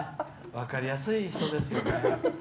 分かりやすい人ですよね。